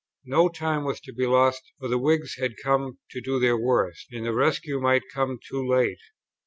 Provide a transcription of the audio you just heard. No time was to be lost, for the Whigs had come to do their worst, and the rescue might come too late.